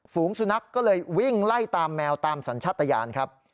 ฝูงสุนัขก็เลยวิ่งไล่ตามแมวตามสัญชาติยานครับ